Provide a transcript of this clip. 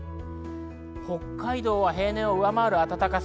北海道は平年を上回る暖かさ。